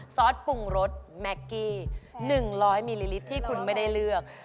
ซอสปรุงรสแม็กกี้๑๐๐มิลลิลิตรที่คุณไม่ได้เลือก